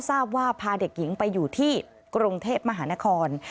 ทราบว่าพาเด็กหญิงไปอยู่ที่กรุงเทพมหานคร